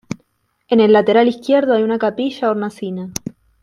En el lateral izquierdo hay una capilla-hornacina.